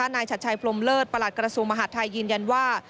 นายชัดชัยพรมเลิศประหลัดกระทรวงมหาดไทยยืนยันว่า